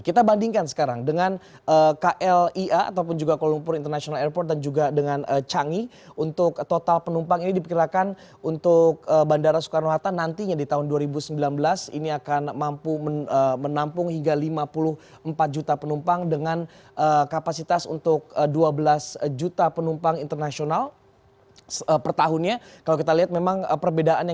kita bandingkan sekarang dengan klia ataupun juga kuala lumpur international airport dan juga dengan cangi untuk total penumpang ini diperkirakan untuk bandara soekarno hatta nantinya di tahun dua ribu sembilan belas ini akan mampu menampung hingga lima puluh empat juta penumpang dengan kapasitas untuk dua bulan